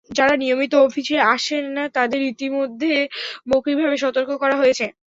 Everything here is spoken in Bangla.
যাঁরা নিয়মিত অফিসে আসেন না, তাঁদের ইতিমধ্যে মৌখিকভাবে সতর্ক করা হয়েছে।